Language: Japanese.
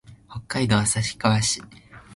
北海道旭川市